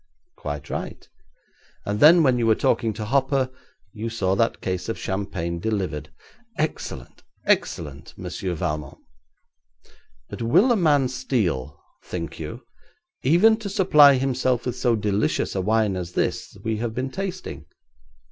'Quite right, and then when you were talking to Hopper you saw that case of champagne delivered. Excellent! excellent! Monsieur Valmont. But will a man steal, think you, even to supply himself with so delicious a wine as this we have been tasting?